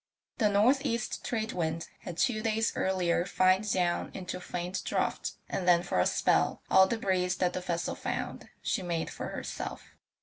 The north east trade wind had two days earlier fined down into a faint draught, and then for a spell all the breeze that the vessel found she made for herself.